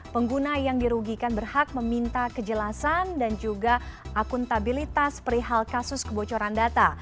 pengguna yang dirugikan berhak meminta kejelasan dan juga akuntabilitas perihal kasus kebocoran data